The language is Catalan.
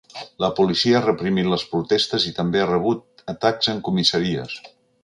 La policia ha reprimit les protestes i també ha rebut atacs en comissaries.